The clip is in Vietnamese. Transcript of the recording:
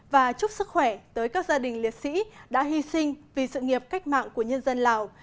và chúc sức khỏe tới các gia đình liệt sĩ đã hy sinh vì sự nghiệp cách mạng của nhân dân lào